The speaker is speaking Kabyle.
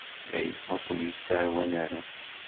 Aya ur ken-yettɛawan ara.